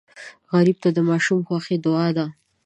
غریب ته د ماشومانو خوښي دعا ده